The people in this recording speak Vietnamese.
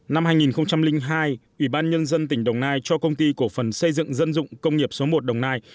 năm hai nghìn hai ubnd tỉnh đồng nai cho công ty của phần xây dựng dân dụng công nghiệp số một đồng nai